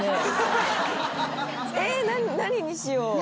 え何にしよう？